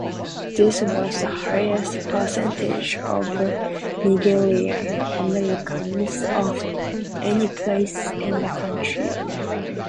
This was the highest percentage of Nigerian Americans of any place in the country.